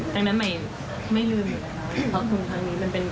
ดังนั้นหมายไม่ลืมทรัพย์คุณทางนี้